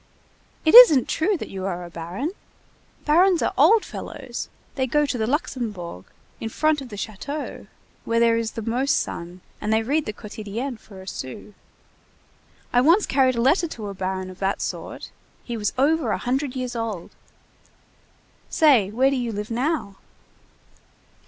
It isn't true that you are a baron? Barons are old fellows, they go to the Luxembourg, in front of the château, where there is the most sun, and they read the Quotidienne for a sou. I once carried a letter to a baron of that sort. He was over a hundred years old. Say, where do you live now?"